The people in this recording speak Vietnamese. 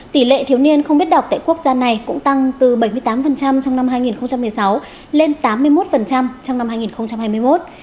tỷ lệ thiếu niên không biết đọc tại quốc gia này cũng tăng từ bảy mươi tám trong năm hai nghìn một mươi sáu lên tám mươi một trong năm hai nghìn hai mươi một